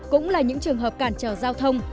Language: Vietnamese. cũng là những trường hợp cản trở giao thông